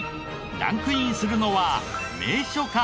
ランクインするのは名所か？